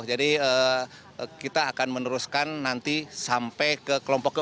jadi kita akan meneruskan nanti sampai ke kelompok ke empat